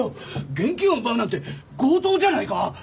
現金を奪うなんて強盗じゃないか！